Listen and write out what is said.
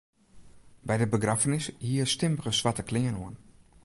By de begraffenis hie er stimmige swarte klean oan.